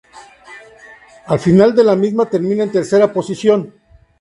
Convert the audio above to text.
Al final de la misma, termina en tercera posición.